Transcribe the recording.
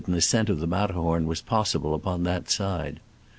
an ascent of the Matterhorn was pos sible upon that side.